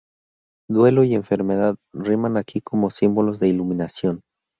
Duelo y enfermedad riman aquí como símbolos de iluminación.